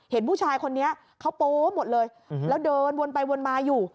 เห็นผู้ชายคนนี้เขาโป๊หมดเลยแล้วเดินวนไปวนมาอยู่